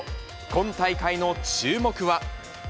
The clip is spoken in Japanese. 今大会の注目は。